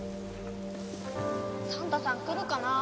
サンタさん来るかなあ？